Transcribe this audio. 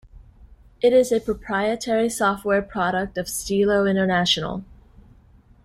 It is a proprietary software product of Stilo International.